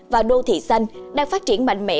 và đô thị xanh đang phát triển mạnh mẽ